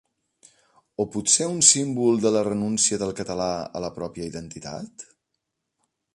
O potser un símbol de la renúncia del català a la pròpia identitat?